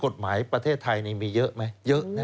ประเทศไทยนี่มีเยอะไหมเยอะนะ